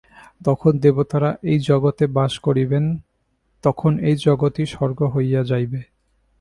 তখন দেবতারা এই জগতে বাস করিবেন, তখন এই জগৎই স্বর্গ হইয়া যাইবে।